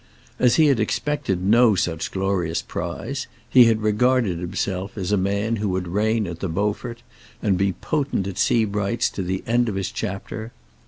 As he had expected no such glorious prize, he had regarded himself as a man who would reign at the Beaufort and be potent at Sebright's to the end of his chapter.